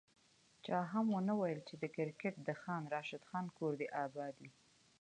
چا هم ونه ویل چي کرکیټ د خان راشد خان کور دي اباد وي